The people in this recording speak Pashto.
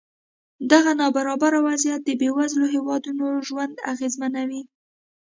دغه نابرابره وضعیت د بېوزلو هېوادونو ژوند اغېزمنوي.